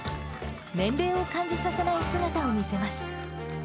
年齢を感じさせない姿を見せます。